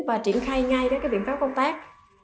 và triển khai ngay các biện pháp công tác